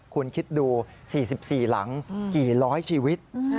คุณคิดดู๔๔หลังกี่ร้อยชีวิต